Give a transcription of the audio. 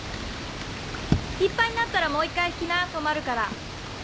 いっぱいになったらもう一回引きな止まるから。